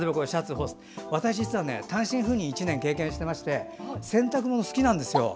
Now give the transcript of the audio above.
私、実は単身赴任を１年経験してまして洗濯物、好きなんですよ。